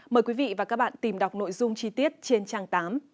mời quý vị và các bạn tìm đọc nội dung chi tiết trên trang tám